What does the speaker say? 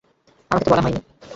আমাকে তো বলা হয়নি।